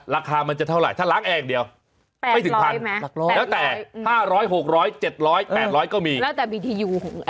ราคามันจะเท่าไรถ้าล้างแอร์อย่างเดียว